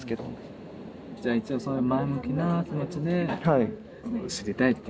じゃあ一応そういう前向きな気持ちで知りたいっていう。